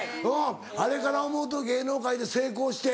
あれから思うと芸能界で成功して。